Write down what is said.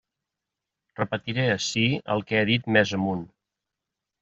Repetiré ací el que he dit més amunt.